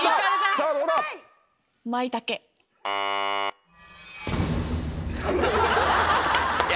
さぁどうだ？いや。